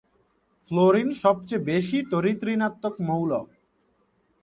Fluorine সবচেয়ে বেশি তড়িৎ ঋণাত্মক মৌল।